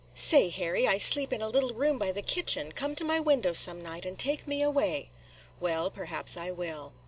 Say, Harry, I sleep in a little room by the kitchen; come to my window some night and take me away." "Well, perhaps I will."